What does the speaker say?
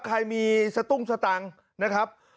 ใครมีสตุ้งสตังค์นะครับ